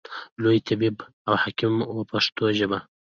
لوی طبیب او حکیم و په پښتو ژبه.